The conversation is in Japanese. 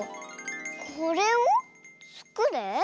「これをつくれ」？